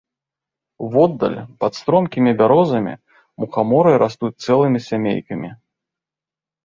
Воддаль, пад стромкімі бярозамі, мухаморы растуць цэлымі сямейкамі.